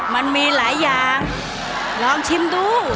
มันมีหลายอย่างลองชิมดู